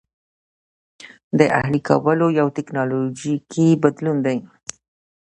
د اهلي کولو یو ټکنالوژیکي بدلون دی.